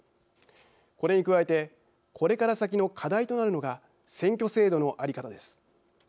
これに加えてこれから先の課題となるのが選挙制度の在り方です。